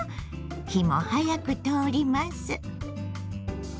火も早く通ります。